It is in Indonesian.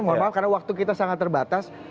mohon maaf karena waktu kita sangat terbatas